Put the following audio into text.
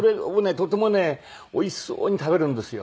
とてもねおいしそうに食べるんですよ。